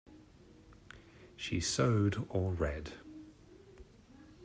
She sewed or read.